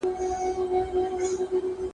• د خرې دومره شيدې دي، چي د خپل کوټي ئې بس سي.